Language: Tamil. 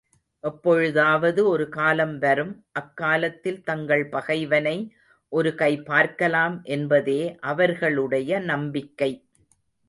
எப்பொழுதாவது ஒரு காலம் வரும், அக்காலத்தில் தங்கள் பகைவனை ஒரு கை பார்க்கலாம் என்பதே அவர்களுடைய நம்பிக்கை.